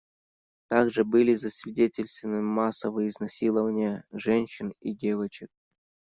Также были засвидетельствованы массовые изнасилования женщин и девочек.